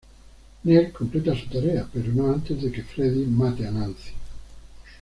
Neil completa su tarea, pero no antes de que Freddy mate a Nancy.